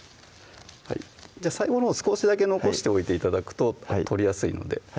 最後のほう少しだけ残しておいて頂くと取りやすいのでは